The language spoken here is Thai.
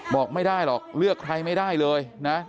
บอกไม่ได้หรอกเลือกใครไม่ได้เลยนะ